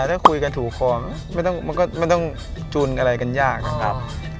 ถ้าคุยกันถูกคอมันก็ไม่ต้องจุนอะไรกันยากนะครับ